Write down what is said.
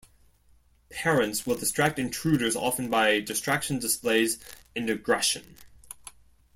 Parents will distract intruders often by distraction displays and aggression.